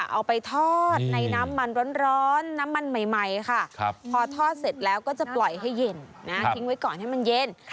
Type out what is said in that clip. เอาไปทอดในน้ำมันร้อนน้ำมันใหม่ค่ะพอทอดเสร็จแล้วก็จะปล่อยให้เย็นทิ้งไว้ก่อนให้มันเย็น